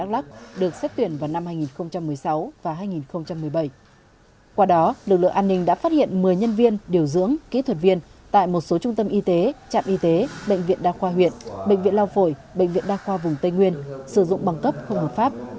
lựa an ninh đã phát hiện một mươi nhân viên điều dưỡng kỹ thuật viên tại một số trung tâm y tế trạm y tế bệnh viện đa khoa huyện bệnh viện lao phổi bệnh viện đa khoa vùng tây nguyên sử dụng bằng cấp không hợp pháp